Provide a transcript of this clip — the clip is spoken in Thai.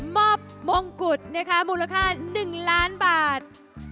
มอบมงคุดมูลค่า๑ล้านบาท